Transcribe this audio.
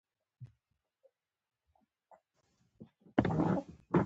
ماښام هوا یخه شوه او ورسره په دا سبا سهار باران پیل شو.